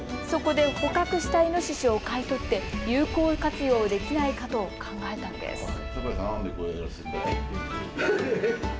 そこで捕獲したイノシシを買い取って有効活用できないかと考えたんです。